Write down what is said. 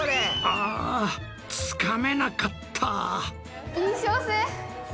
あつかめなかった！